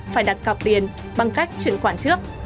phải đặt cọc tiền bằng cách chuyển khoản trước